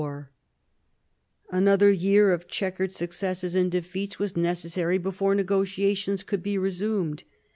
52 MARIA THERESA chap, hi Another year of checkered successes and defeats was necessary before negotiations could be resumed.